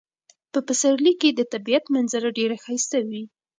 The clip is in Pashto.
په پسرلي کې د طبیعت منظره ډیره ښایسته وي.